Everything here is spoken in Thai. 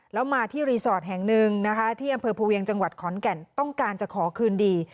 แล้วมาที่รีสอร์ทแห่งหนึ่งนะคะที่อำเภอภูเวียงจังหวัดขอนแก่นต้องการจะขอคืนดี